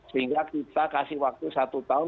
sehingga kita kasih waktu satu tahun